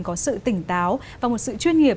có sự tỉnh táo và một sự chuyên nghiệp